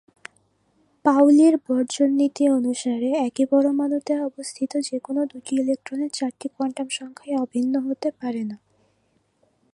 পাউলি’র বর্জন নীতি অনুসারে, একই পরমাণুতে অবস্থিত যে কোন দুটি ইলেকট্রনের চারটি কোয়ান্টাম সংখ্যাই অভিন্ন হতে পারে না।